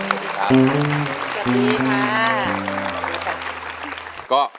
สวัสดีค่ะ